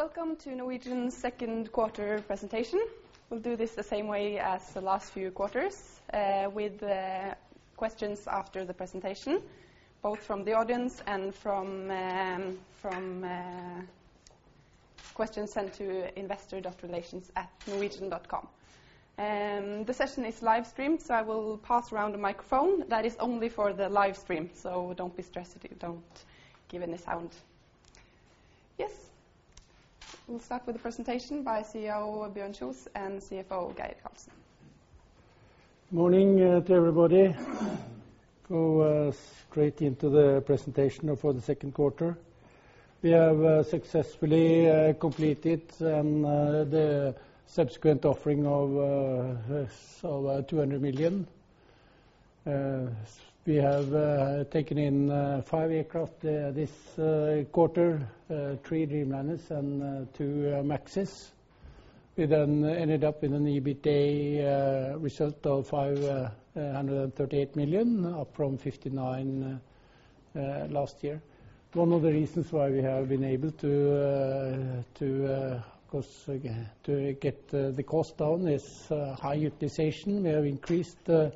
Welcome to Norwegian's second quarter presentation. We'll do this the same way as the last few quarters, with questions after the presentation, both from the audience and from questions sent to investor.relations@norwegian.com. I will pass around a microphone that is only for the live stream, don't be stressed if you don't give any sound. We'll start with the presentation by CEO Bjørn Kjos and CFO Geir Karlsen. Morning to everybody. Go straight into the presentation for the second quarter. We have successfully completed the subsequent offering of $200 million. We have taken in 5 aircraft this quarter, 3 Dreamliners and 2 MAXes. We ended up with an EBITDA result of 538 million, up from 59 million last year. One of the reasons why we have been able to get the cost down is high utilization. We have increased the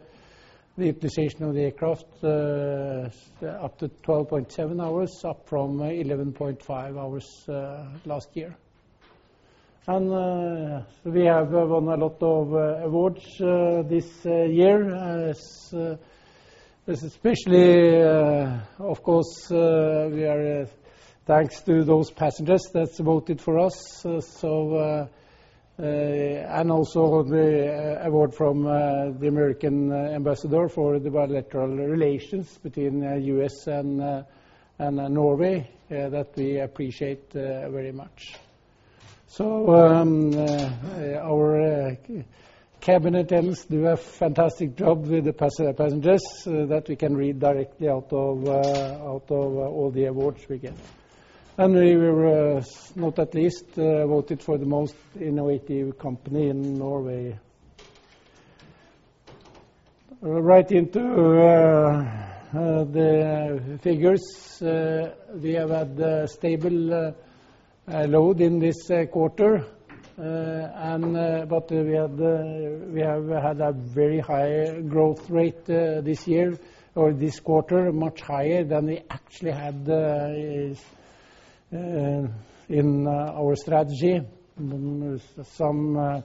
utilization of the aircraft up to 12.7 hours, up from 11.5 hours last year. We have won a lot of awards this year. Especially, of course, we are thanks to those passengers that voted for us. Also the award from the American ambassador for the bilateral relations between U.S. and Norway, that we appreciate very much. Our cabin attendants do a fantastic job with the passengers that we can read directly out of all the awards we get. We were, not least, voted for the most innovative company in Norway. Right into the figures. We have had a stable load in this quarter, we have had a very high growth rate this year, or this quarter, much higher than we actually had in our strategy. There is something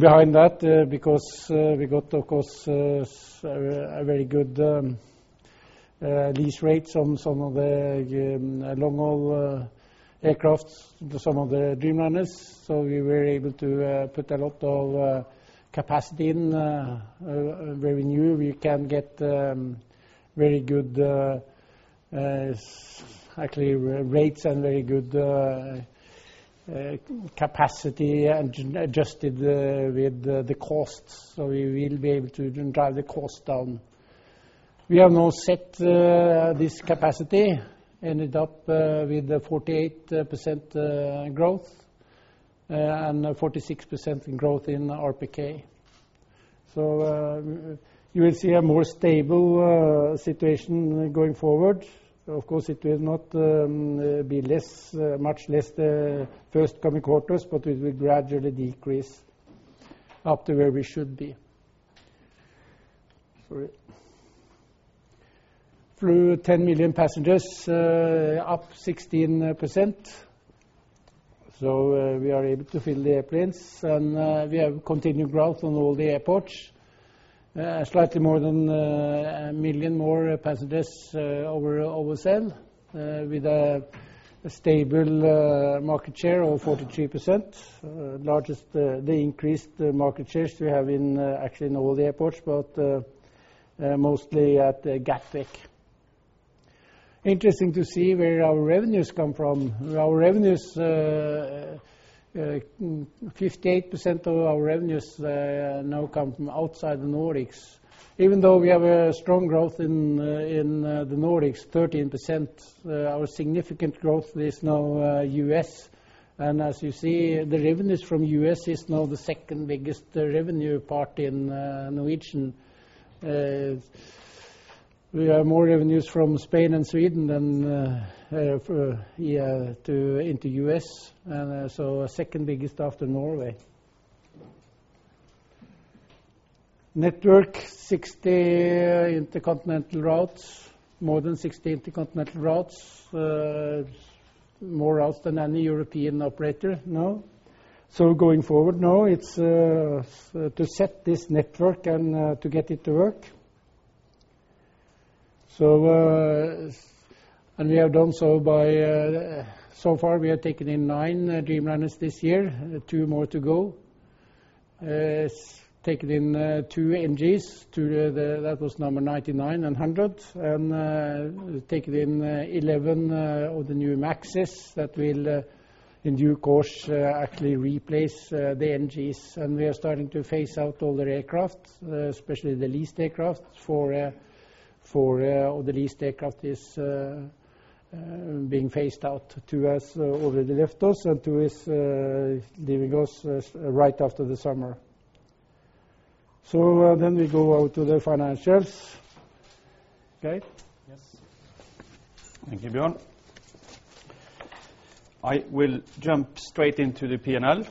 behind that because we got, of course, a very good lease rates on some of the long-haul aircraft, some of the Dreamliners. We were able to put a lot of capacity in revenue. We can get very good, actually, rates and very good capacity adjusted with the costs, we will be able to drive the cost down. We have now set this capacity, ended up with 48% growth and 46% growth in RPK. You will see a more stable situation going forward. It will not be much less the first coming quarters, it will gradually decrease up to where we should be. Flew 10 million passengers, up 16%. We are able to fill the airplanes, we have continued growth on all the airports. Slightly more than 1 million more passengers overall, with a stable market share of 43%. Largest increased market shares we have in actually in all the airports, mostly at Gatwick. Interesting to see where our revenues come from. 58% of our revenues now come from outside the Nordics. Even though we have a strong growth in the Nordics, 13%, our significant growth is now U.S. As you see, the revenues from the U.S. is now the second-biggest revenue part in Norwegian. We have more revenues from Spain and Sweden than into the U.S., second-biggest after Norway. Network. More than 60 intercontinental routes. More routes than any European operator now. Going forward now, it is to set this network and to get it to work. We have done so by, so far, we have taken in nine Dreamliners this year. Two more to go. Taken in two NGs. That was number 99 and 100. Taken in 11 of the new MAXes that will, in due course, actually replace the NGs. We are starting to phase out older aircraft, especially the leased aircraft. Four of the leased aircraft is being phased out. Two has already left us, and two is leaving us right after the summer. We go over to the financials. Okay? Yes. Thank you, Bjørn. I will jump straight into the P&L.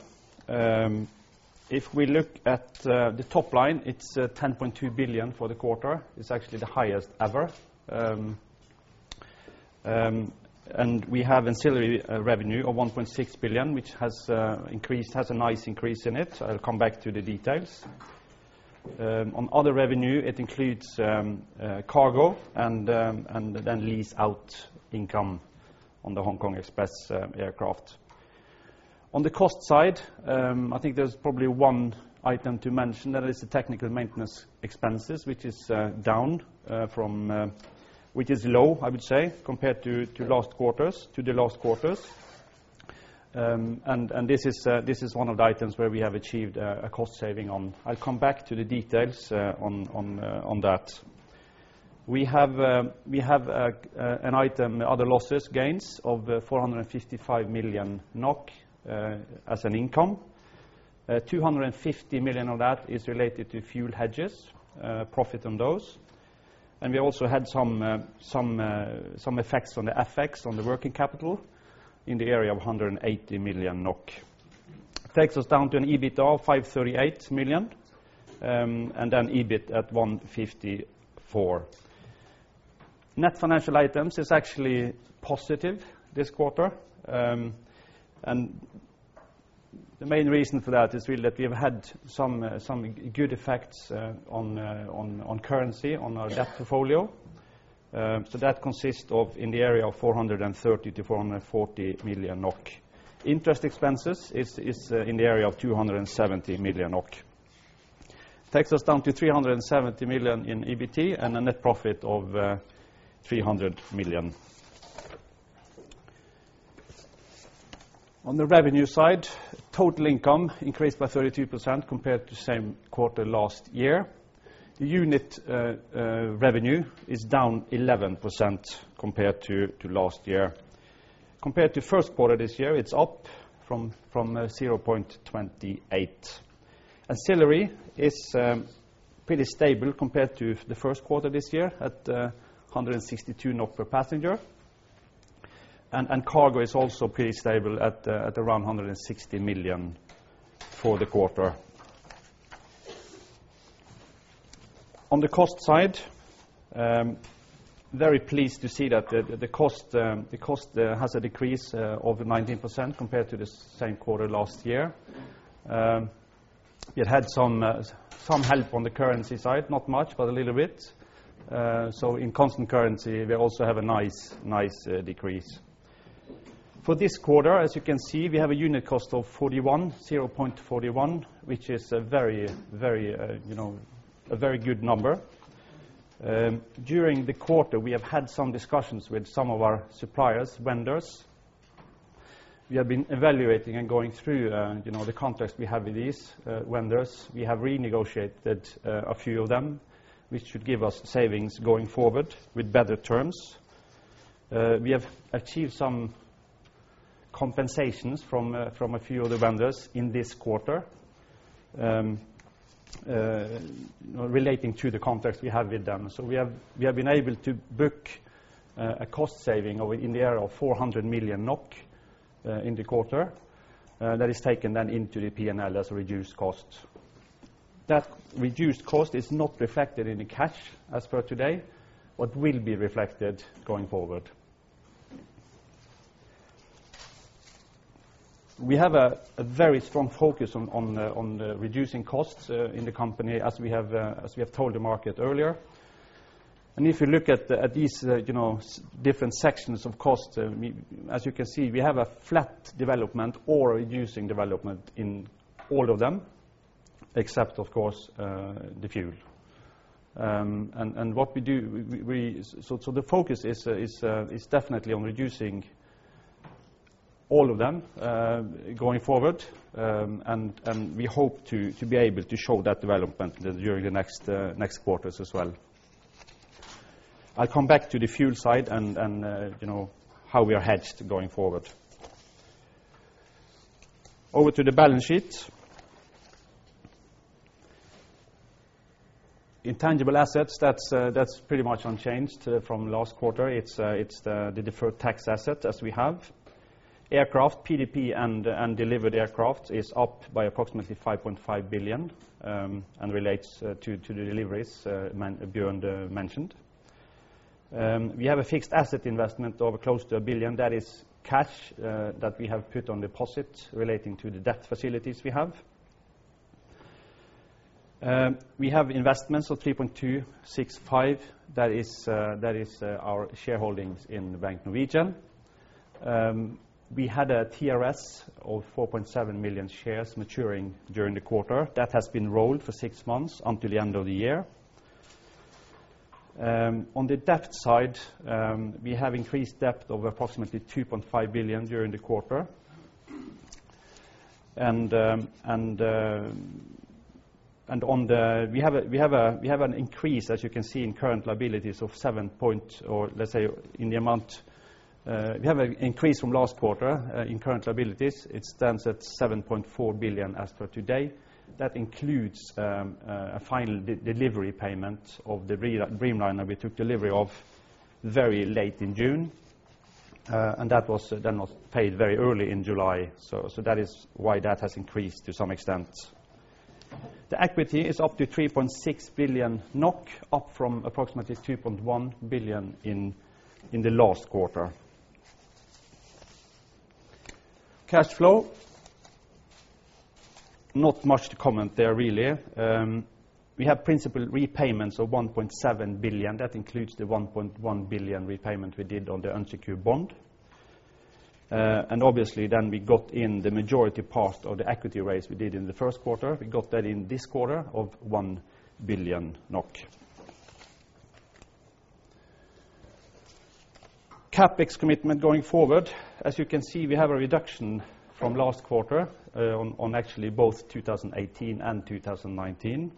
If we look at the top line, it's 10.2 billion for the quarter. It's actually the highest ever. We have ancillary revenue of 1.6 billion, which has a nice increase in it. I will come back to the details. On other revenue, it includes cargo and then lease-out income on the HK Express aircraft. On the cost side, I think there's probably one item to mention, that is the technical maintenance expenses, which is low, I would say, compared to the last quarters. This is one of the items where we have achieved a cost saving on. I will come back to the details on that. We have an item, other losses, gains of 455 million NOK as an income. 250 million of that is related to fuel hedges, profit on those. We also had some effects on the FX on the working capital in the area of 180 million NOK. Takes us down to an EBITDA of 538 million. Then EBITDA at 154. Net financial items is actually positive this quarter. The main reason for that is really that we have had some good effects on currency on our debt portfolio. That consists of in the area of 430 million to 440 million NOK. Interest expenses is in the area of 270 million NOK. Takes us down to 370 million in EBT and a net profit of 300 million. On the revenue side, total income increased by 32% compared to the same quarter last year. The unit revenue is down 11% compared to last year. Compared to the first quarter this year, it's up from 0.28. Ancillary is pretty stable compared to the first quarter this year at 162 per passenger. Cargo is also pretty stable at around 160 million for the quarter. On the cost side, very pleased to see that the cost has a decrease of 19% compared to the same quarter last year. It had some help on the currency side, not much, but a little bit. In constant currency, we also have a nice decrease. For this quarter, as you can see, we have a unit cost of 0.41, which is a very good number. During the quarter, we have had some discussions with some of our suppliers, vendors. We have been evaluating and going through the contracts we have with these vendors. We have renegotiated a few of them, which should give us savings going forward with better terms. We have achieved some compensations from a few of the vendors in this quarter relating to the contracts we have with them. We have been able to book a cost saving in the area of 400 million NOK in the quarter. That is taken then into the P&L as reduced costs. That reduced cost is not reflected in the cash as per today, but will be reflected going forward. We have a very strong focus on reducing costs in the company as we have told the market earlier. If you look at these different sections of cost, as you can see, we have a flat development or reducing development in all of them, except, of course, the fuel. The focus is definitely on reducing all of them going forward, and we hope to be able to show that development during the next quarters as well. I'll come back to the fuel side and how we are hedged going forward. Over to the balance sheet. Intangible assets, that's pretty much unchanged from last quarter. It's the deferred tax asset as we have. Aircraft PDP and delivered aircraft is up by approximately 5.5 billion and relates to the deliveries Bjørn mentioned. We have a fixed asset investment of close to 1 billion. That is cash that we have put on deposit relating to the debt facilities we have. We have investments of 3.265. That is our shareholdings in the Bank Norwegian. We had a TRS of 4.7 million shares maturing during the quarter. That has been rolled for six months until the end of the year. On the debt side, we have increased debt of approximately 2.5 billion during the quarter. We have an increase, as you can see, in current liabilities. We have an increase from last quarter in current liabilities. It stands at 7.4 billion as per today. That includes a final delivery payment of the Dreamliner we took delivery of very late in June, and that was then paid very early in July. That is why that has increased to some extent. The equity is up to 3.6 billion NOK, up from approximately 2.1 billion in the last quarter. Cash flow, not much to comment there really. We have principal repayments of 1.7 billion. That includes the 1.1 billion repayment we did on the unsecured bond. Obviously then we got in the majority part of the equity raise we did in the first quarter. We got that in this quarter of 1 billion NOK. CapEx commitment going forward. As you can see, we have a reduction from last quarter on actually both 2018 and 2019.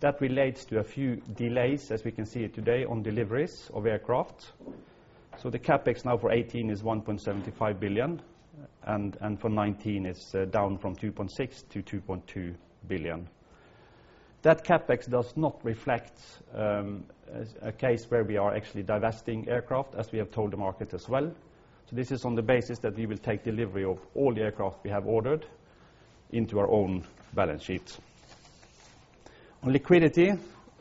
That relates to a few delays, as we can see it today, on deliveries of aircraft. The CapEx now for 2018 is 1.75 billion, and for 2019 is down from 2.6 billion to 2.2 billion. That CapEx does not reflect a case where we are actually divesting aircraft, as we have told the market as well. This is on the basis that we will take delivery of all the aircraft we have ordered into our own balance sheet. On liquidity,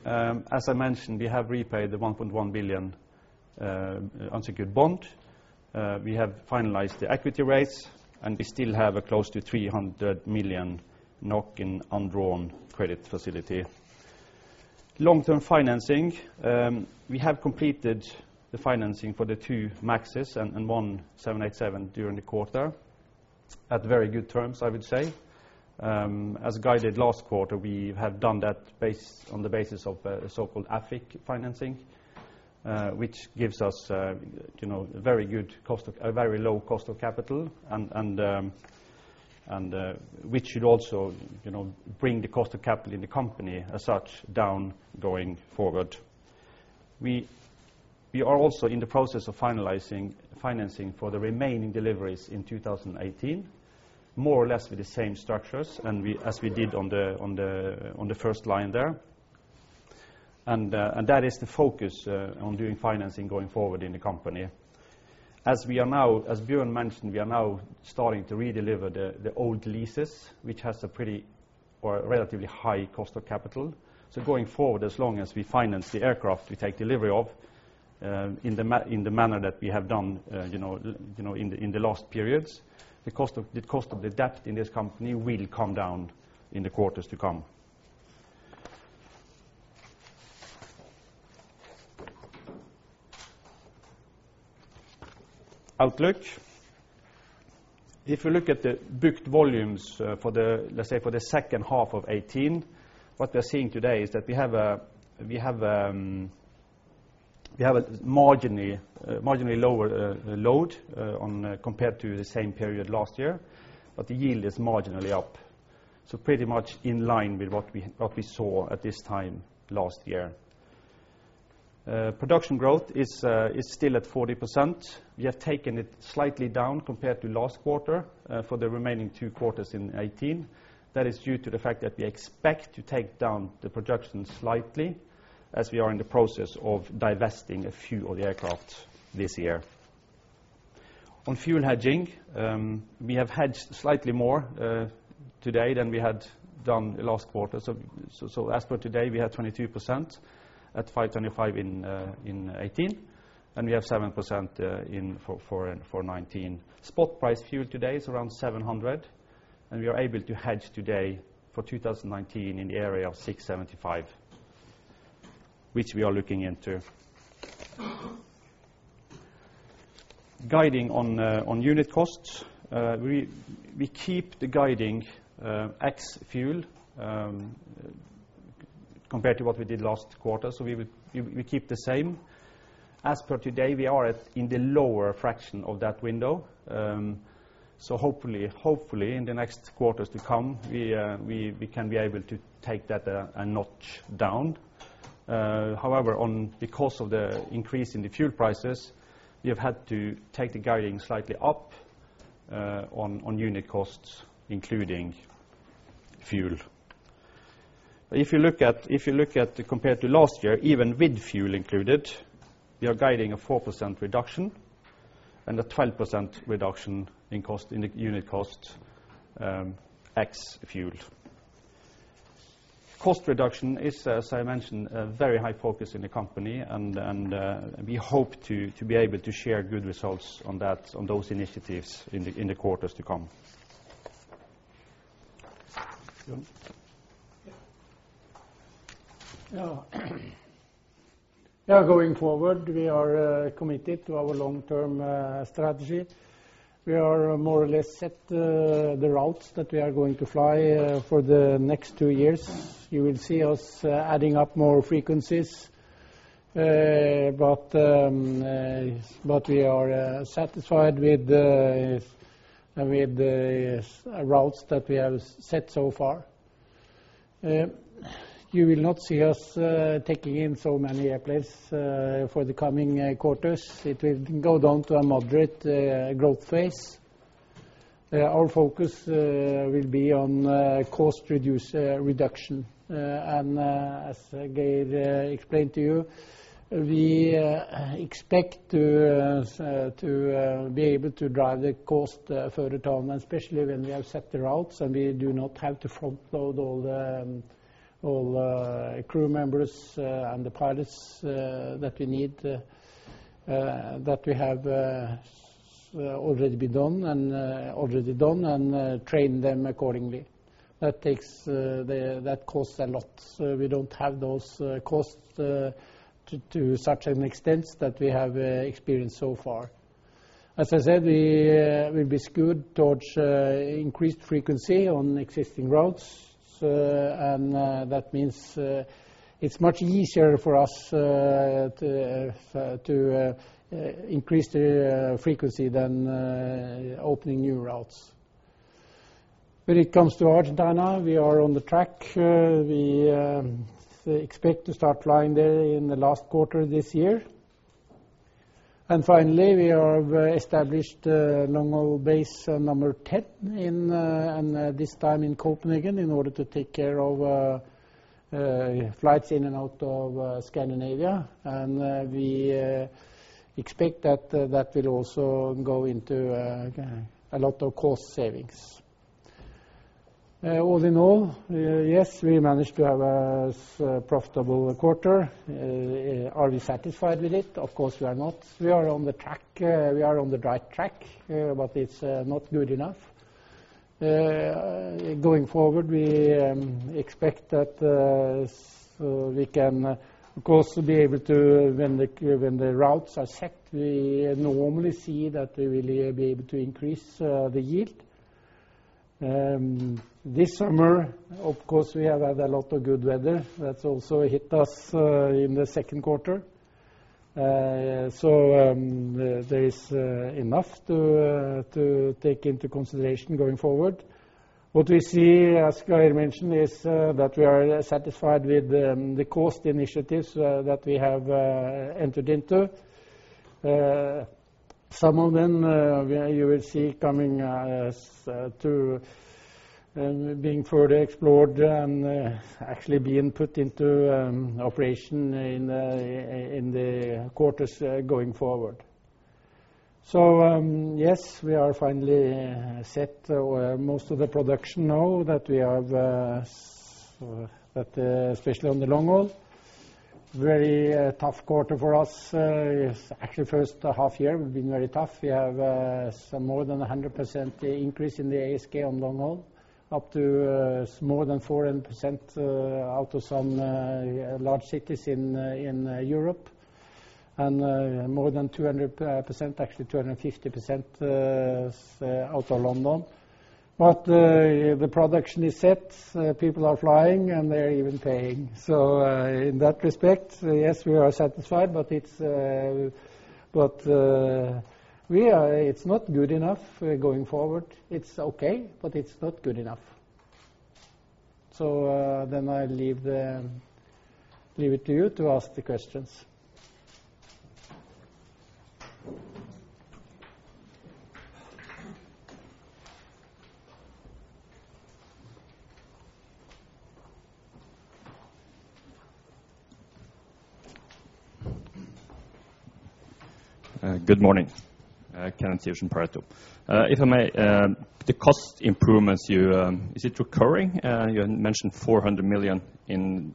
as I mentioned, we have repaid the 1.1 billion unsecured bond. We have finalized the equity raise, and we still have a close to 300 million NOK in undrawn credit facility. Long-term financing. We have completed the financing for the two MAXes and one 787 during the quarter, at very good terms, I would say. As guided last quarter, we have done that on the basis of a so-called AFIC financing, which gives us a very low cost of capital, and which should also bring the cost of capital in the company as such down, going forward. We are also in the process of finalizing financing for the remaining deliveries in 2018, more or less with the same structures as we did on the first line there. That is the focus on doing financing going forward in the company. As Bjørn mentioned, we are now starting to redeliver the old leases, which has a pretty or a relatively high cost of capital. Going forward, as long as we finance the aircraft we take delivery of, in the manner that we have done in the last periods, the cost of the debt in this company will come down in the quarters to come. Outlook. If you look at the booked volumes, let's say for the second half of 2018, what we are seeing today is that we have a marginally lower load compared to the same period last year, but the yield is marginally up. Pretty much in line with what we saw at this time last year. Production growth is still at 40%. We have taken it slightly down compared to last quarter for the remaining two quarters in 2018. That is due to the fact that we expect to take down the production slightly, as we are in the process of divesting a few of the aircraft this year. On fuel hedging, we have hedged slightly more to date than we had done the last quarter. As for today, we have 22% at 525 in 2018, and we have 7% for 2019. Spot price fuel today is around 700, and we are able to hedge today for 2019 in the area of 675, which we are looking into. Guiding on unit costs. We keep the guiding ex-fuel, compared to what we did last quarter. We keep the same. As for today, we are in the lower fraction of that window. Hopefully, in the next quarters to come, we can be able to take that a notch down. However, because of the increase in the fuel prices, we have had to take the guiding slightly up on unit costs, including fuel. If you look at compared to last year, even with fuel included, we are guiding a 4% reduction and a 12% reduction in unit cost ex-fuel. Cost reduction is, as I mentioned, a very high focus in the company. We hope to be able to share good results on those initiatives in the quarters to come. Bjørn? Going forward, we are committed to our long-term strategy. We are more or less set the routes that we are going to fly for the next two years. You will see us adding up more frequencies. We are satisfied with the routes that we have set so far. You will not see us taking in so many airplanes for the coming quarters. It will go down to a moderate growth phase. Our focus will be on cost reduction. As Geir explained to you, we expect to be able to drive the cost further down, especially when we have set the routes, and we do not have to front-load all the crew members and the pilots that we need, that we have already done and train them accordingly. That costs a lot. We do not have those costs to such an extent that we have experienced so far. As I said, we will be skewed towards increased frequency on existing routes. That means it is much easier for us to increase the frequency than opening new routes. When it comes to Argentina, we are on the track. We expect to start flying there in the last quarter of this year. Finally, we have established long-haul base number 10, and this time in Copenhagen, in order to take care of flights in and out of Scandinavia. We expect that will also go into a lot of cost savings. All in all, yes, we managed to have a profitable quarter. Are we satisfied with it? Of course, we are not. We are on the right track, but it is not good enough. Going forward, we expect that we can, of course, be able to when the routes are set, we normally see that we will be able to increase the yield. This summer, of course, we have had a lot of good weather. That is also hit us in the second quarter. There is enough to take into consideration going forward. What we see, as Geir mentioned, is that we are satisfied with the cost initiatives that we have entered into. Some of them you will see coming as to being further explored and actually being put into operation in the quarters going forward. Yes, we are finally set where most of the production now that we have, especially on the long haul. Very tough quarter for us. Actually, the first half year we have been very tough. We have some more than 100% increase in the ASK on long haul, up to more than 14% out of some large cities in Europe and more than 200%, actually 250% out of London. The production is set. People are flying, and they are even paying. In that respect, yes, we are satisfied, but it is not good enough going forward. It is okay, but it is not good enough. I leave it to you to ask the questions. Good morning. Karen Syversen, Pareto. If I may, the cost improvements you Is it recurring? You mentioned 400 million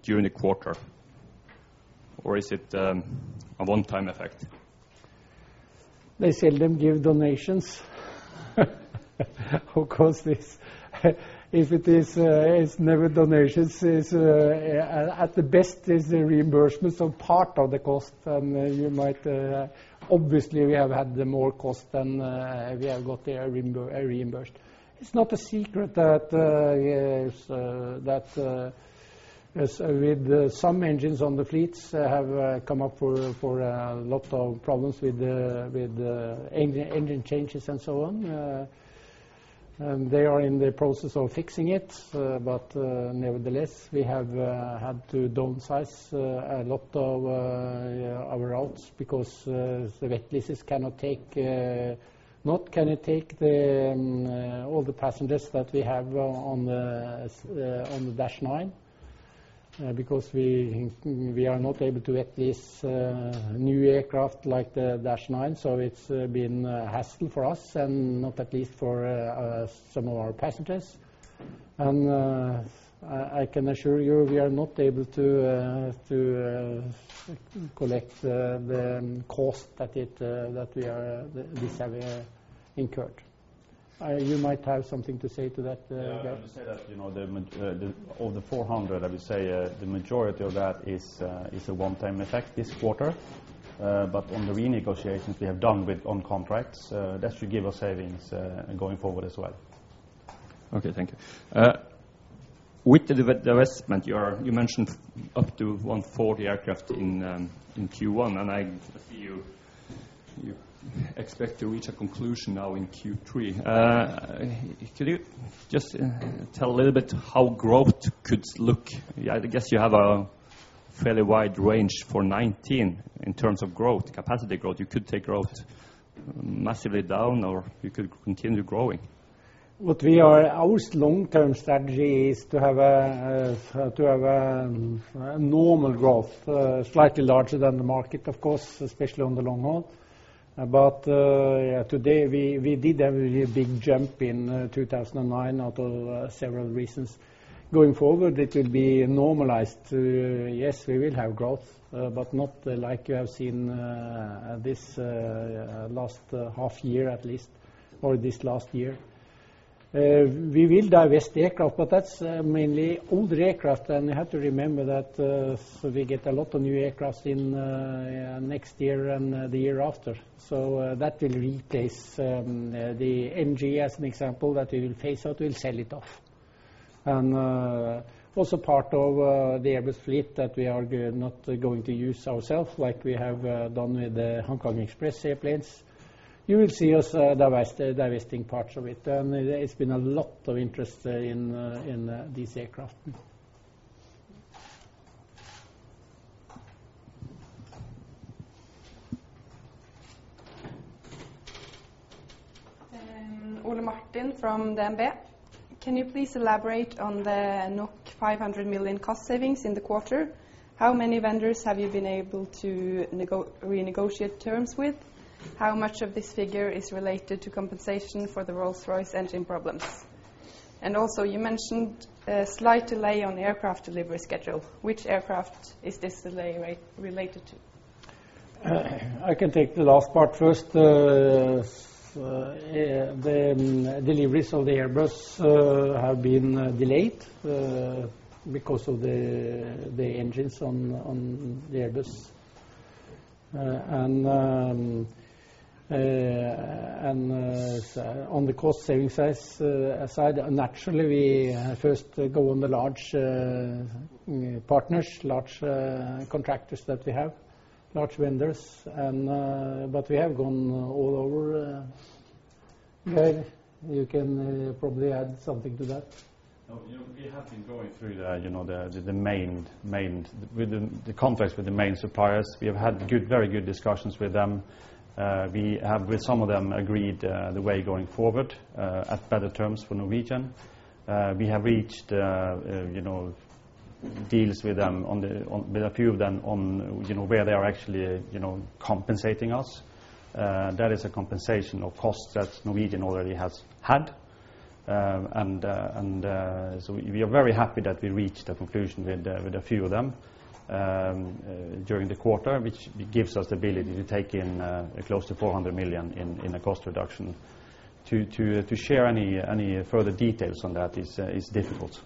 during the quarter. Is it a one-time effect? They seldom give donations. Of course, it's never donations. At the best is a reimbursement of part of the cost, obviously, we have had the more cost than we have got reimbursed. It's not a secret that with some engines on the fleets have come up for a lot of problems with the engine changes and so on. They are in the process of fixing it. Nevertheless, we have had to downsize a lot of our routes because the wet leases cannot take all the passengers that we have on the Dash 9. We are not able to get this new aircraft like the Dash 9. It's been a hassle for us and not at least for some of our passengers. I can assure you, we are not able to collect the cost that we are this having incurred. You might have something to say to that, Geir. Yeah. I would say that of the 400, I would say the majority of that is a one-time effect this quarter. On the renegotiations we have done on contracts, that should give us savings, going forward as well. Okay. Thank you. With the divestment, you mentioned up to 140 aircraft in Q1, and I see you expect to reach a conclusion now in Q3. Could you just tell a little bit how growth could look? I guess you have a fairly wide range for 2019 in terms of growth, capacity growth. You could take growth massively down, or you could continue growing. Our long-term strategy is to have a normal growth, slightly larger than the market, of course, especially on the long haul. Today, we did have a really big jump in 2009 out of several reasons. Going forward, it will be normalized. Yes, we will have growth, but not like you have seen this last half year at least, or this last year. We will divest the aircraft, but that's mainly older aircraft, and you have to remember that we get a lot of new aircrafts in next year and the year after. That will replace the NG as an example that we will phase out, we'll sell it off. Also part of the Airbus fleet that we are not going to use ourself, like we have done with the Hong Kong Express airplanes. You will see us divesting parts of it. There has been a lot of interest in these aircraft. Ole Martin from DNB. Can you please elaborate on the 400 million cost savings in the quarter? How many vendors have you been able to renegotiate terms with? How much of this figure is related to compensation for the Rolls-Royce engine problems? Also, you mentioned a slight delay on the aircraft delivery schedule. Which aircraft is this delay related to? I can take the last part first. The deliveries of the Airbus have been delayed because of the engines on the Airbus. On the cost savings side, naturally, we first go on the large partners, large contractors that we have, large vendors. We have gone all over. Geir, you can probably add something to that. No, we have been going through the contracts with the main suppliers. We have had very good discussions with them. We have, with some of them, agreed the way going forward at better terms for Norwegian. We have reached deals with a few of them on where they are actually compensating us. That is a compensation of costs that Norwegian already has had. We are very happy that we reached a conclusion with a few of them during the quarter, which gives us the ability to take in close to 400 million in a cost reduction. To share any further details on that is difficult.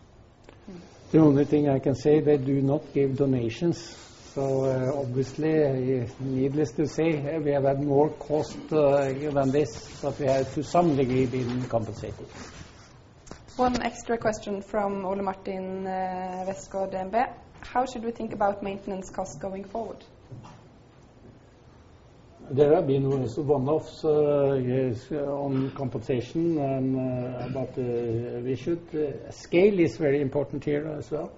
The only thing I can say, they do not give donations. Obviously, needless to say, we have had more cost than this, we have to some degree been compensated. One extra question from Ole Martin Westgaard, DNB. How should we think about maintenance costs going forward? There have been one-offs, yes, on compensation. Scale is very important here as well.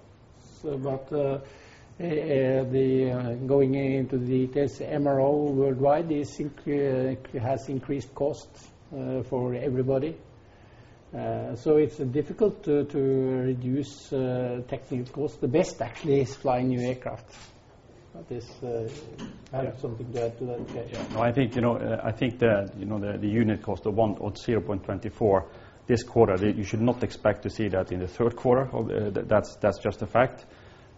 Going into the details, MRO worldwide has increased costs for everybody. It's difficult to reduce technical costs. The best actually is flying new aircraft. This, add something to that, Geir. No, I think the unit cost of [1 or 0.24] this quarter, you should not expect to see that in the third quarter. That's just a fact.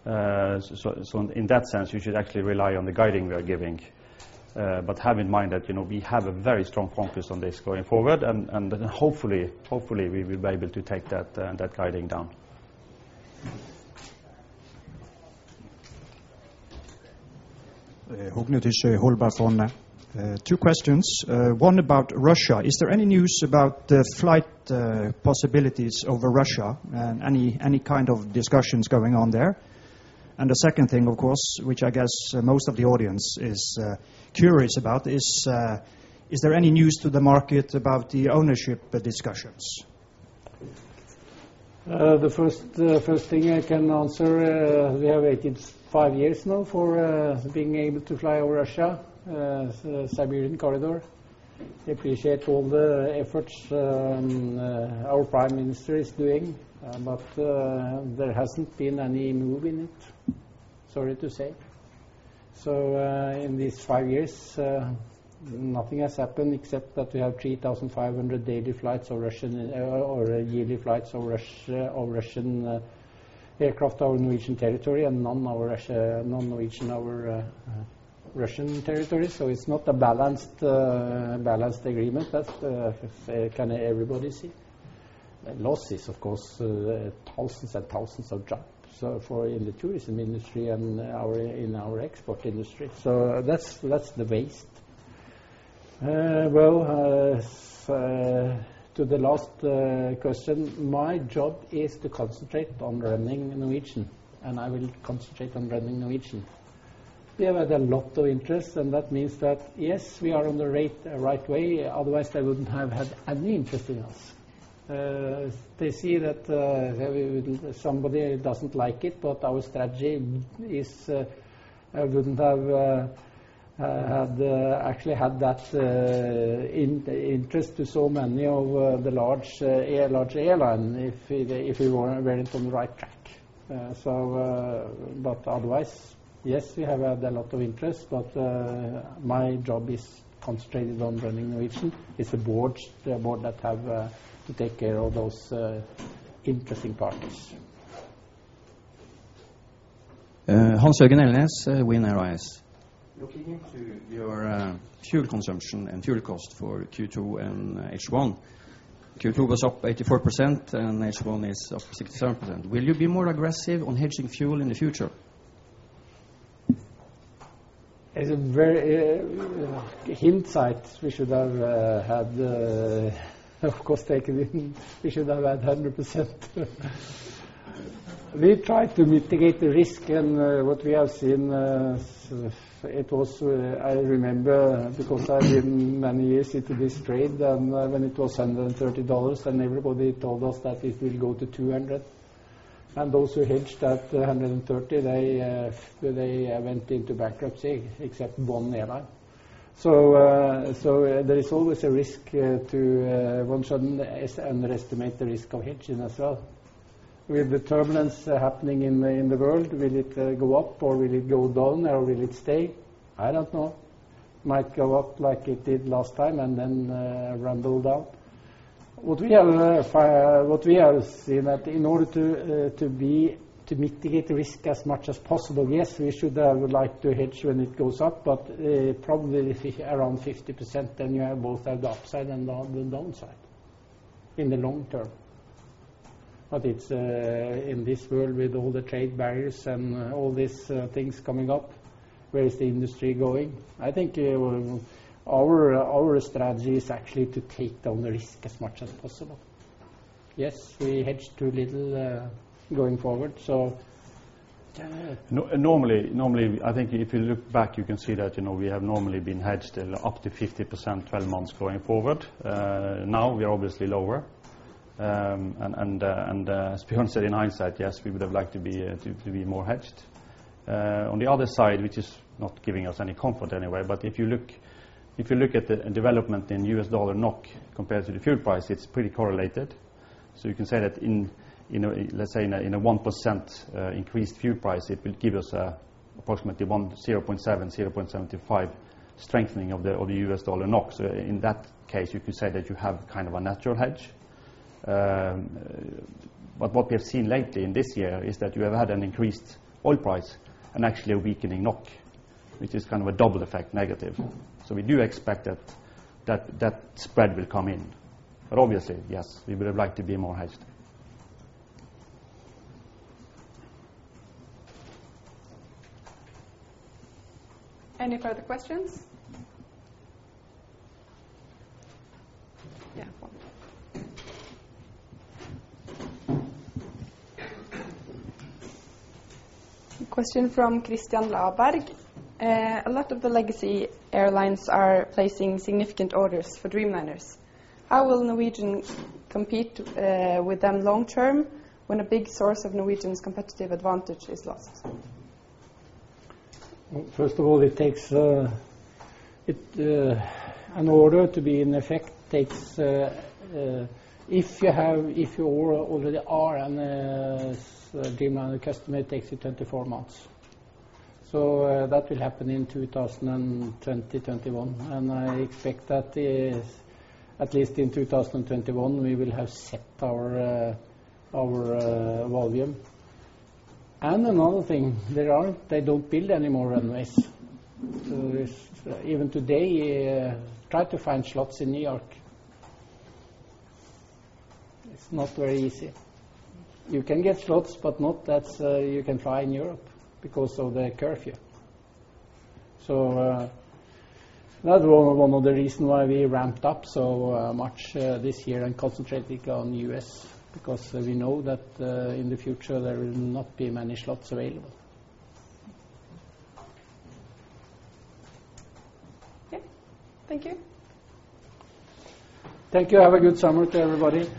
In that sense, you should actually rely on the guiding we are giving. Have in mind that we have a very strong focus on this going forward, and hopefully, we will be able to take that guiding down. Håkon Tøsse Holta from Two questions. One about Russia. Is there any news about the flight possibilities over Russia? Any kind of discussions going on there? The second thing, of course, which I guess most of the audience is curious about is there any news to the market about the ownership discussions? The first thing I can answer, we have waited 5 years now for being able to fly over Russia, Siberian Corridor. We appreciate all the efforts our prime minister is doing. There hasn't been any move in it, sorry to say. In these 5 years, nothing has happened except that we have 3,500 daily flights or yearly flights of Russian aircraft over Norwegian territory and none Norwegian over Russian territory. It's not a balanced agreement. That can everybody see. Losses, of course, thousands and thousands of jobs in the tourism industry and in our export industry. That's the waste. Well, to the last question, my job is to concentrate on running Norwegian, and I will concentrate on running Norwegian. We have had a lot of interest, and that means that, yes, we are on the right way, otherwise they wouldn't have had any interest in us. They see that somebody doesn't like it, our strategy is I wouldn't have actually had that interest to so many of the large airline if we weren't on the right track. Otherwise, yes, we have had a lot of interest, but my job is concentrated on running Norwegian. It's the board that have to take care of those interesting parties. Hans-Olav Gjøvik, WIN Airlines. Looking into your fuel consumption and fuel cost for Q2 and H1. Q2 was up 84%, and H1 is up 67%. Will you be more aggressive on hedging fuel in the future? In hindsight, we should have, of course, taken it. We should have had 100%. We try to mitigate the risk, and what we have seen, I remember because I've been many years into this trade, and when it was $130 and everybody told us that it will go to $200. Those who hedged at $130, they went into bankruptcy except one airline. There is always a risk to one shouldn't underestimate the risk of hedging as well. With the turbulence happening in the world, will it go up or will it go down or will it stay? I don't know. Might go up like it did last time and then rumble down. What we have seen that in order to mitigate the risk as much as possible, yes, we should have liked to hedge when it goes up, but probably around 50%, then you have both have the upside and the downside in the long term. It's in this world with all the trade barriers and all these things coming up, where is the industry going? I think our strategy is actually to take down the risk as much as possible. Yes, we hedged too little going forward. Normally, I think if you look back, you can see that we have normally been hedged up to 50%, 12 months going forward. Now we are obviously lower. As Bjørn said, in hindsight, yes, we would have liked to be more hedged. On the other side, which is not giving us any comfort anyway, if you look at the development in USD NOK compared to the fuel price, it's pretty correlated. You can say that in, let's say, in a 1% increased fuel price, it will give us approximately one to 0.7, 0.75 strengthening of the USD NOK. In that case, you could say that you have kind of a natural hedge. What we have seen lately in this year is that you have had an increased oil price and actually a weakening NOK. Which is kind of a double effect negative. We do expect that that spread will come in. Obviously, yes, we would have liked to be more hedged. Any further questions? Yeah. One. A question from [Christian Laberg]. A lot of the legacy airlines are placing significant orders for Dreamliners. How will Norwegian compete with them long term when a big source of Norwegian's competitive advantage is lost? First of all, in order to be in effect, if you already are a Dreamliner customer, it takes you 24 months. That will happen in 2021. I expect that at least in 2021, we will have set our volume. Another thing, they don't build any more runways. Even today, try to find slots in New York. It's not very easy. You can get slots, but not that you can fly in Europe because of the curfew. That one of the reason why we ramped up so much this year and concentrated on U.S., because we know that in the future there will not be many slots available. Okay. Thank you. Thank you. Have a good summer to everybody.